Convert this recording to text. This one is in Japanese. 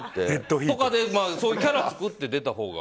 そういうキャラを作って出たほうが。